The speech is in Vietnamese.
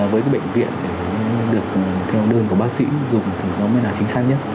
với bệnh viện để được theo đơn của bác sĩ dùng thì nó mới là chính xác nhất